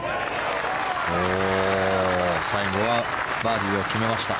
最後はバーディーを決めました。